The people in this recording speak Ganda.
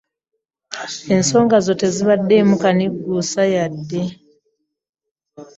Ensonga zo tezibaddeemu kanigguusa wadde.